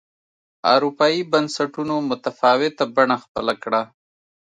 اروپايي بنسټونو متفاوته بڼه خپله کړه.